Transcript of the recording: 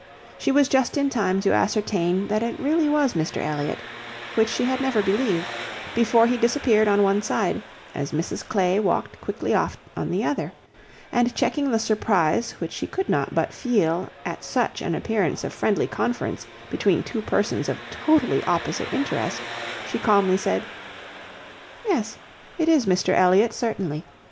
She was just in time to ascertain that it really was Mr Elliot, which she had never believed, before he disappeared on one side, as Mrs Clay walked quickly off on the other; and checking the surprise which she could not but feel at such an appearance of friendly conference between two persons of totally opposite interest, she calmly said, "Yes, it is Mr Elliot, certainly.